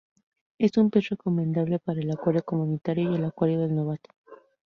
Es un pez recomendable para el acuario comunitario y el acuario del novato.